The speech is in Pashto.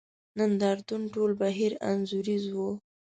نند ارتون ټول بهیر انځوریز وو.